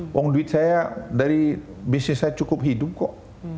uang duit saya dari bisnis saya cukup hidup kok